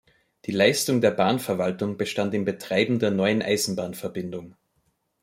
Die Leistung der Bahnverwaltung bestand im Betreiben der neuen Eisenbahnverbindung.